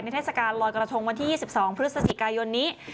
ในท่าสการรอยกระทงวันที่๒๒พฤศสิกายนนี้